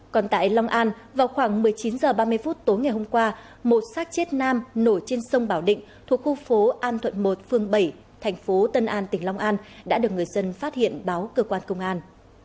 còn tại long an vào khoảng một mươi chín h ba mươi phút tối ngày hôm qua một sát chết nam nổi trên sông bảo định thuộc khu phố an thuận một phương bảy thành phố tân an tỉnh long an đã được người dân phát hiện báo cơ quan công an